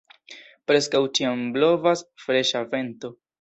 Preskaŭ ĉiam blovas freŝa vento.